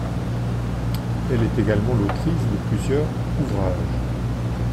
Elle est également l'autrice de plusieurs ouvrages.